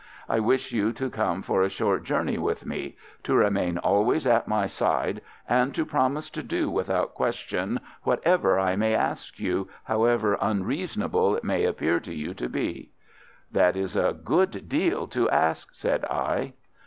I wish you to come for a short journey with me, to remain always at my side, and to promise to do without question whatever I may ask you, however unreasonable it may appear to you to be." "That is a good deal to ask," said I.